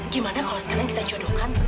gimana kalau sekarang kita jodohkan